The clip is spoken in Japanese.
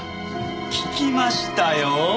聞きましたよ。